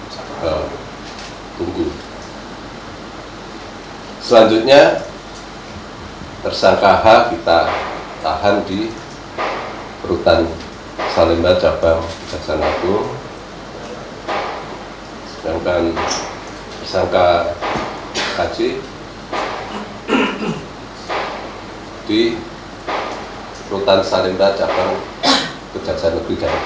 jalan jalan men